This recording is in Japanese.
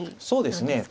そうですね。